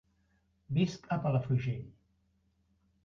Visc a Palafrugell.